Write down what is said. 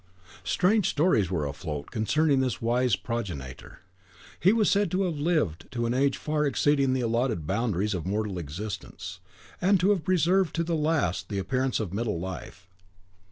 Strange stories were afloat concerning this wise progenitor. He was said to have lived to an age far exceeding the allotted boundaries of mortal existence, and to have preserved to the last the appearance of middle life.